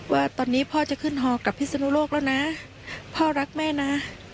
ว่าตอนนี้พ่อจะขึ้นฮอกับพิศนุโลกแล้วนะพ่อรักแม่นะ